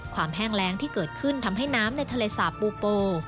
แห้งแรงที่เกิดขึ้นทำให้น้ำในทะเลสาบปูโป